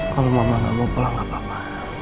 kalau mama nggak mau pulang gak apa apa